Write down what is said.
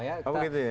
oh begitu ya